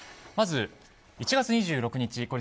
まず、１月２６日